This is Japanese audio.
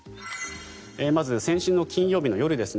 まず、先週の金曜日の夜